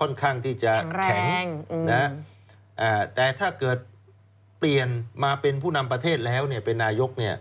ค่อนข้างที่จะแข็งแต่ถ้าเกิดเปลี่ยนมาเป็นผู้นำประเทศแล้วเป็นนายก